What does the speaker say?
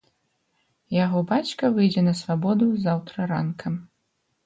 Яго бацька выйдзе на свабоду заўтра ранкам.